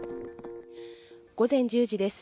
午前１０時です。